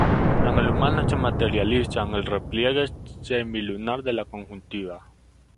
En el humano se materializa en el repliegue semilunar de la conjuntiva.